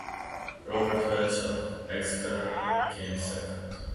Robert Vetch of Exeter came second.